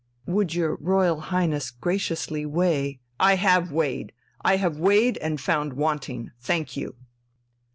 "Would your Royal Highness graciously weigh ..." "I have weighed. I have weighed and found wanting. Thank you!"